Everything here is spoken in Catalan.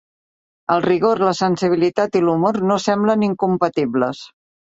El rigor, la sensibilitat i l'humor no semblen incompatibles.